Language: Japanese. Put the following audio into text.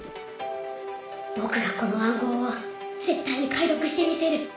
僕がこの暗号を絶対に解読してみせる。